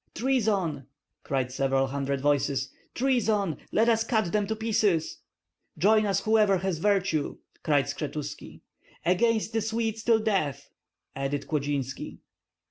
"Treason!" cried several hundred voices, "treason! Let us cut them to pieces." "Join us, whoever has virtue!" cried Skshetuski. "Against the Swedes till death!" added Klodzinski.